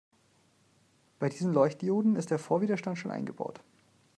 Bei diesen Leuchtdioden ist der Vorwiderstand schon eingebaut.